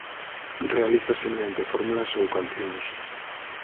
Realízase mediante fórmulas ou cancións.